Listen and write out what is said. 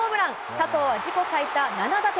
佐藤は自己最多７打点。